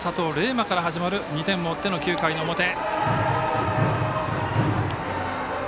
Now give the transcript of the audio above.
磨から始まる２点を追っての９回の表。